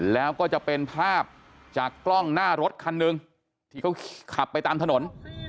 แล้วก็จะเป็นภาพจากกล้องหน้ารถคันหนึ่งที่เขาขับไปตามถนน